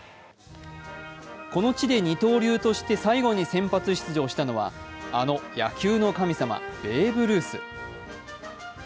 この地で二刀流として最後に先発出場したのは、あの野球の神様、ベーブ・ルース。